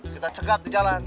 kita cegat di jalan